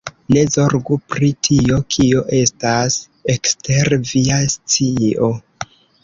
Ne zorgu pri tio, kio estas ekster via scio.